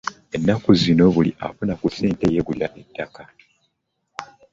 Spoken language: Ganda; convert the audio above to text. Enaku zino buli afuna ku ssente y'egulira ettaka.